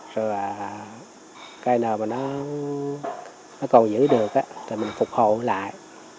rồi cây nào mà nó còn giữ được thì mình phục hộ lại